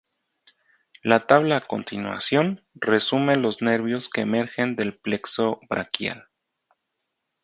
La tabla a continuación resume los nervios que emergen del plexo braquial.